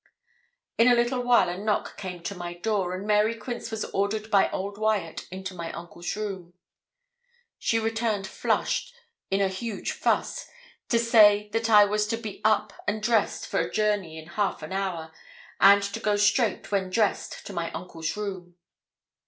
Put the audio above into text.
In a little while a knock came to my door, and Mary Quince was ordered by old Wyat into my uncle's room. She returned flushed, in a huge fuss, to say that I was to be up and dressed for a journey in half an hour, and to go straight, when dressed, to my uncle's room.